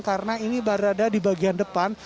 karena ini berada di bagian depan